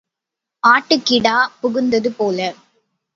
ஆட்டுக்கிடா புகுந்தது போல.